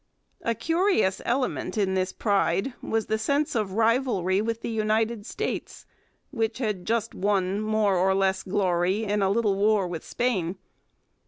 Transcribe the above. A curious element in this pride was the sense of rivalry with the United States, which had just won more or less glory in a little war with Spain.